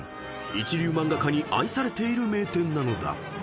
［一流漫画家に愛されている名店なのだ］